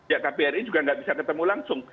ya kbri juga nggak bisa ketemu langsung